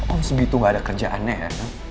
om segitu nggak ada kerjaan ya